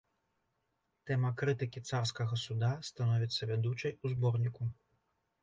Тэма крытыкі царскага суда становіцца вядучай у зборніку.